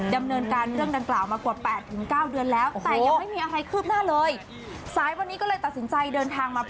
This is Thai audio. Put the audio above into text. ดำเนินการเรื่องดังกล่าวมากว่า๘๙เดือนแล้ว